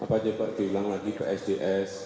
apa aja pak diulang lagi psds